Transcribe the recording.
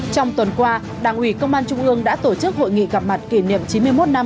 trong tuần qua đảng ủy công an trung ương đã tổ chức hội nghị gặp mặt kỷ niệm chín mươi một năm